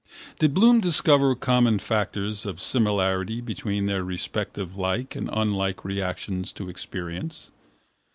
Did Bloom discover common factors of similarity between their respective like and unlike reactions to experience?